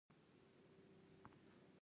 د زغرو کښت په للمي ځمکو کې دی.